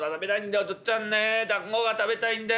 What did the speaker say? お父っつぁんね団子が食べたいんだよ。